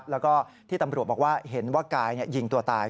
แล้วก็ที่ตำรวจบอกว่าเห็นว่ากายยิงตัวตาย